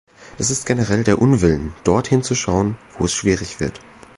Es ist generell der Unwillen, dort hinzuschauen, wo es schwierig wird.